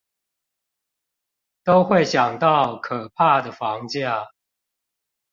都會想到可怕的房價